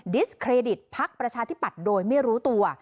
ดิสเครดิตภักดิ์ประชาธิปัตย์โดยไม่รู้ตัว